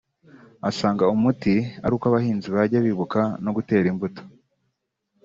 Asanga umuti ari uko abahinzi bajya bibuka no gutera imbuto